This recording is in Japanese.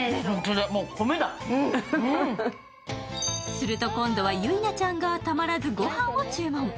すると、今度はゆいなちゃんがたまらずご飯を注文。